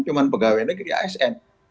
cuma pegawai negeri asn